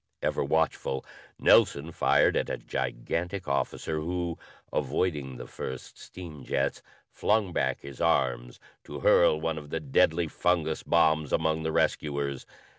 Ever watchful, Nelson fired at a gigantic officer who, avoiding the first steam jets, flung back his arms to hurl one of the deadly fungus bombs among the rescuers.